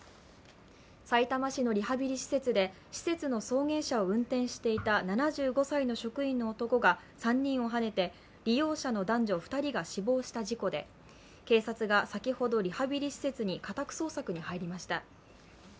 さいたま市のリハビリ施設で施設の送迎車を運転していた７５歳の職員の男が、３人をはねて利用者の男女２人が死亡した事故で、警察が先ほどリハビリ施設に家宅捜索に入りました。